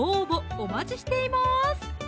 お待ちしています